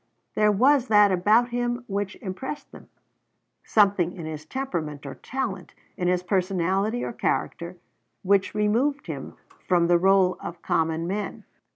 There was that about him which impressed them, something in his temperament or talent, in his personality or character, which removed him from the roll of common men.